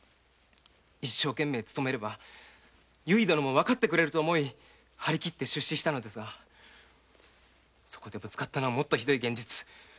一生懸命勤めればゆい殿もわかってくれると思い張り切って出仕したのですがそこにはもっとひどい現実。